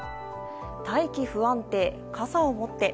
大気不安定、傘を持って。